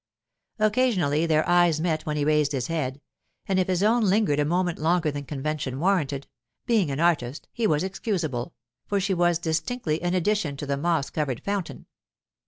Occasionally their eyes met when he raised his head, and if his own lingered a moment longer than convention warranted—being an artist, he was excusable, for she was distinctly an addition to the moss covered fountain.